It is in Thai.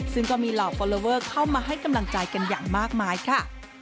ซึ่งก็มีเหล่าฟอลลอเวอร์เข้ามาให้กำลังใจกันอย่างมากมายค่ะ